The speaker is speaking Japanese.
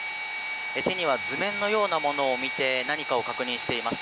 手には図面のようなものを見て何かを確認しています。